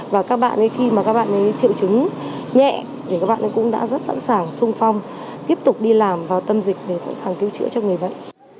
và các bạn khi mà các bạn ấy triệu chứng nhẹ thì các bạn ấy cũng đã rất sẵn sàng sung phong tiếp tục đi làm vào tâm dịch để sẵn sàng cứu chữa cho người bệnh